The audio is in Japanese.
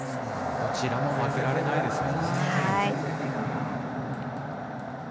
こちらも負けられないですよね。